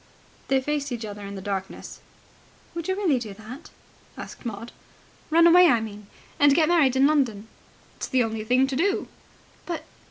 They faced each other in the darkness. "Would you really do that?" asked Maud. "Run away, I mean, and get married in London." "It's the only thing to do." "But